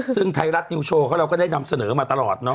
ซึ่งไทยรัฐนิวโชว์เราก็ได้นำเสนอมาตลอด